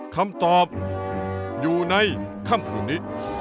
คำตอบอยู่ในคัมหมูณิ